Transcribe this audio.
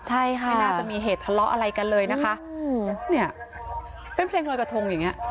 ใช่ค่ะไม่น่าจะมีเหตุทะเลาะอะไรกันเลยนะคะอืมเนี่ยเป็นเพลงลอยกระทงอย่างเงี้